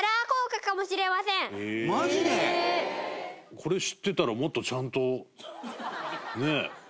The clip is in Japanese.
これ知ってたらもっとちゃんと、ねえ。